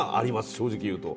正直言うと。